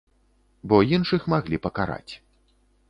Бо іншых маглі пакараць.